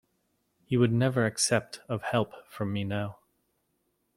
He would never accept of help from me now.